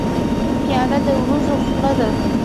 پیاله د ورځو خواله ده.